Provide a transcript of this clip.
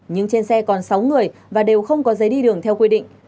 nhưng trên xe còn sáu người và đều không có giấy đi đường theo quy định